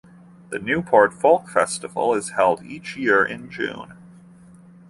The Newport Folk Festival is held each year in June.